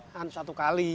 kan satu kali